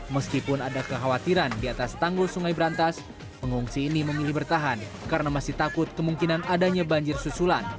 meskipun ada kekhawatiran di atas tanggul sungai berantas pengungsi ini memilih bertahan karena masih takut kemungkinan adanya banjir susulan